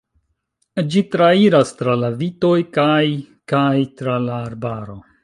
Ĝi trairas tra la vitoj kaj kaj tra la arbaro.